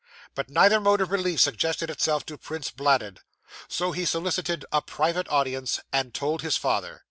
But neither mode of relief suggested itself to Prince Bladud; so he solicited a private audience, and told his father.